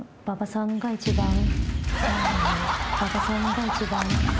馬場さんが一番。